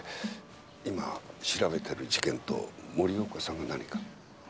今調べてる事件と森岡さんが何か？